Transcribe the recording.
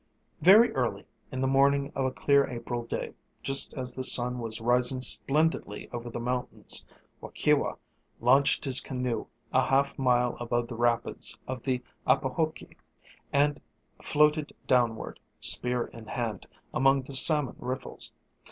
Very early in the morning of a clear April day, just as the sun was rising splendidly over the mountains, Waukewa launched his canoe a half mile above the rapids of the Apahoqui, and floated downward, spear in hand, among the salmon riffles.